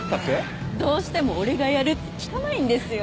どうしても俺がやるって聞かないんですよ。